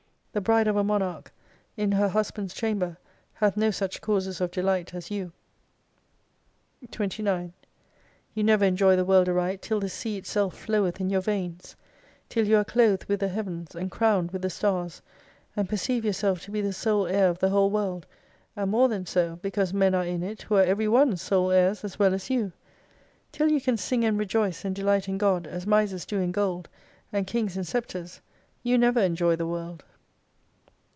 The bride of a monarch, in her husband's chamber, hath no such causes of delight as you. 29 You never enjoy the world aright, till the Sea itself floweth in your veins, till you are clothed with the heavens, and crowned with the stars : and perceive yourself to be the sole heir of the whole world, and more than so, because men are in it who are every one sole heirs as well as you. Till you can sing and rejoice and delight in God, as misers do in gold, and Kings in sceptres, you never enjoy the world.